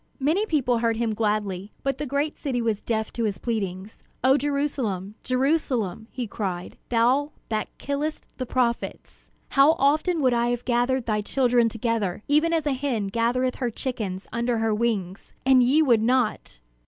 Many people heard him gladly, but the great city was deaf to his pleadings. "O Jerusalem, Jerusalem," he cried, "thou that killest the prophets, how often would I have gathered thy children together, even as a hen gathereth her chickens under her wings, and ye would not!"